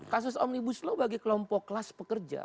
kasus omnibus law bagi kelompok kelas pekerja